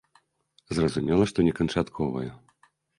Зразумела, што не канчатковае.